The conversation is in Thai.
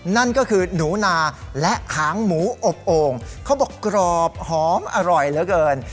นั่นก็คือหนูนาและหางหมูอบโอ่งเขาบอกกรอบหอมอร่อยเหลือเกิน